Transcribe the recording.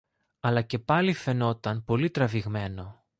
αλλά και πάλι φαινόταν πολύ τραβηγμένο